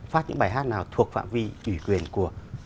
phát những bài hát nào thuộc phạm vi ủy quyền của